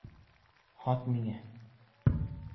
Һат миңә.